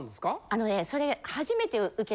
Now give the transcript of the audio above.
あのねそれ。